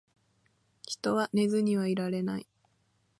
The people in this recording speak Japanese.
人は寝ずにはいられない